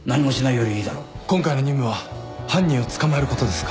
今回の任務は犯人を捕まえることですか？